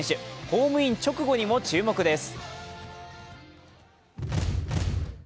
ホームイン直後にも注目です。